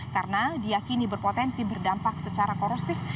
karena diakini berpotensi berdampak secara korosif